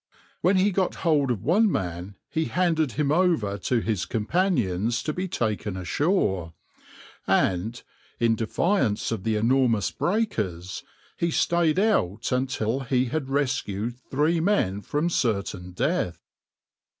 When he got hold of one man he handed him over to his companions to be taken ashore, and, in defiance of the enormous breakers, he stayed out until he had rescued three men from certain death.